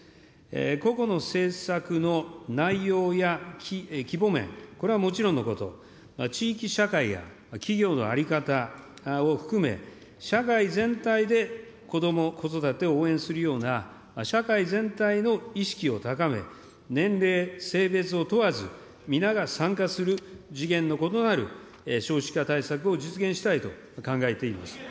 個々の政策の内容や規模面、これはもちろんのこと、地域社会や企業の在り方を含め、社会全体でこども・子育てを応援するような、社会全体の意識を高め、年齢、性別を問わず、皆が参加する、次元の異なる少子化対策を実現したいと考えています。